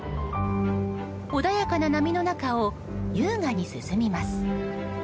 穏やかな波の中を優雅に進みます。